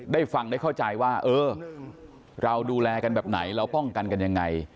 ได้ฟังได้เข้าใจว่าเออเราดูแลกันแบบไหนเราป้องกันกันยังไง